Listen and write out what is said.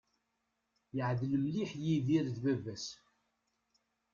Yeεdel mliḥ Yidir d baba-s.